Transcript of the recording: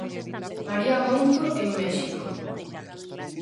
María Mouzo en México.